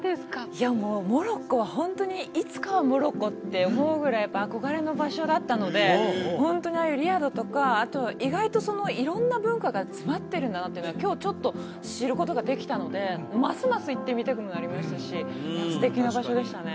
いやもうモロッコはホントにいつかはモロッコって思うぐらいやっぱ憧れの場所だったのでホントにああいうリアドとかあと意外と色んな文化が詰まってるんだなっていうのが今日ちょっと知ることができたのでますます行ってみたくもなりましたし素敵な場所でしたね